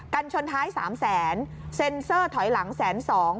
กันชนท้าย๓แสนเซ็นเซอร์ถอยหลังแสนสอง